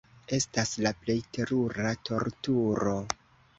Estas la plej terura torturo.